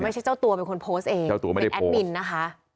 อ่าไม่ใช่เจ้าตัวเป็นคนโพสต์เองเจ้าตัวไม่ได้โพสต์เป็นแอดมินนะคะ